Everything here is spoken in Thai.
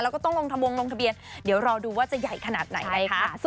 แล้วก็ต้องลงทะวงลงทะเบียนเดี๋ยวรอดูว่าจะใหญ่ขนาดไหนนะคะ